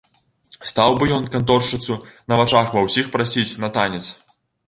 Стаў бы ён канторшчыцу на вачах ва ўсіх прасіць на танец.